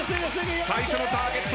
最初のターゲット